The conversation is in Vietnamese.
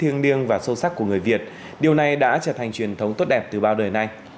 thiêng liêng và sâu sắc của người việt điều này đã trở thành truyền thống tốt đẹp từ bao đời nay